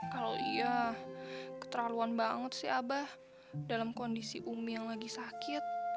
kalau iya keterlaluan banget sih abah dalam kondisi umi yang lagi sakit